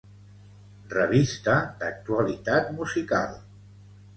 Revista d'actualitat musical.